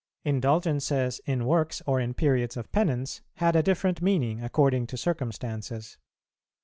Indulgences in works or in periods of penance, had a different meaning, according to circumstances.